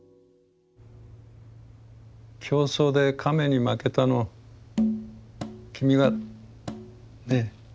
競走でカメに負けたのキミがねえ